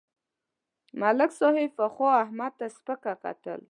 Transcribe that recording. ملک صاحب پخوا احمد ته سپکه کتل.